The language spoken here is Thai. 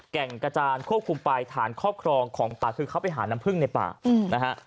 แก่งกระจานควบคุมไปฐานครอบครองของป่าคือเขาไปหาน้ำพึ่งในป่านะฮะ